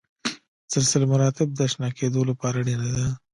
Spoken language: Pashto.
سلسله مراتب د اشنا کېدو لپاره اړینه ده.